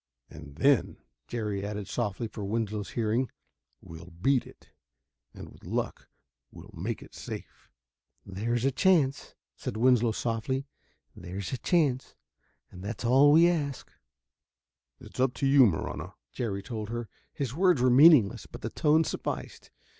"And then," Jerry added softly for Winslow's hearing, "we'll beat it. And, with luck, we'll make it safe." "There's a chance," said Winslow softly, "there's a chance and that's all we ask." "It's up to you, Marahna," Jerry told her. His words were meaningless, but the tone sufficed.